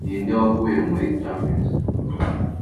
ninde waguye muri thames